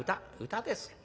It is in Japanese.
歌ですか。